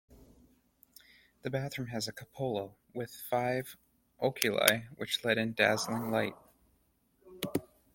The bathroom has a cupola with five oculi which let in dazzling light.